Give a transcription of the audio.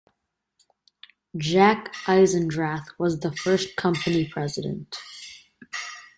Jack Eisendrath was the first company president.